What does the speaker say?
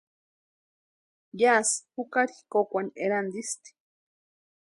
Yási jukari kókwani erantisti.